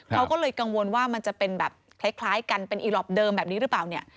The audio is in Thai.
เขาก็เลยกังวลว่ามันจะเป็นแบบคล้ายกันเป็นอีหลอปเดิมแบบนี้หรือเปล่าเนี่ย